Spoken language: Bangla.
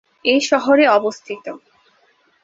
এই শহরে অবস্থিত।